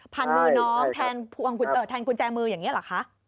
มือน้องแทนกุญแจมืออย่างนี้เหรอคะ